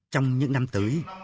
trong những năm tới